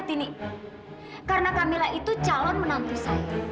bu tini karena kamila itu calon menantu saya